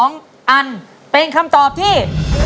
๒อันเป็นคำตอบที่